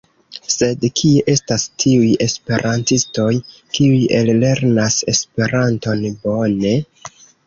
Sed kie estas tiuj esperantistoj kiuj ellernas Esperanton bone?